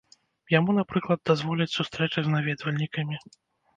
Яму, напрыклад, дазволяць сустрэчы з наведвальнікамі.